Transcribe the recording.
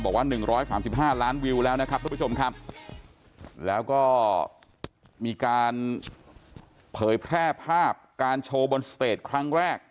บอกว่า๑๓๕ล้านวิวแล้วนะครับทุกผู้ชมครับแล้วก็มีการเผยแพร่ภาพการโชว์บนสเตจครั้งแรก